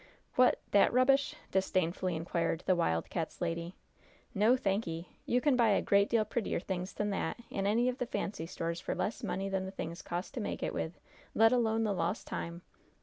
"What! that rubbish?" disdainfully inquired the Wild Cats' lady. "No, thanky'! You can buy a great deal prettier things than that in any of the fancy stores for less money than the things cost to make it with, let alone the lost time!